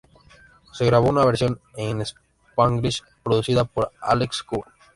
Se grabó una versión en spanglish, producida por Álex Cuba.